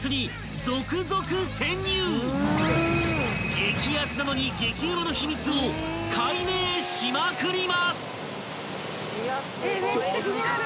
［激安なのに激ウマの秘密を解明しまくります！］